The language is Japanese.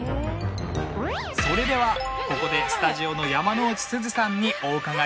それではここでスタジオの山之内すずさんにお伺いします。